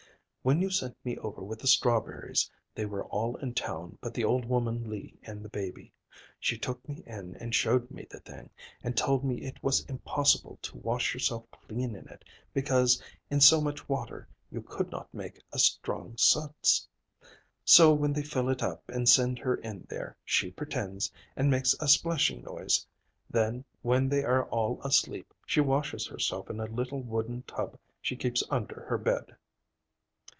When you sent me over with the strawberries, they were all in town but the old woman Lee and the baby. She took me in and showed me the thing, and she told me it was impossible to wash yourself clean in it, because, in so much water, you could not make a strong suds. So when they fill it up and send her in there, she pretends, and makes a splashing noise. Then, when they are all asleep, she washes herself in a little wooden tub she keeps under her bed."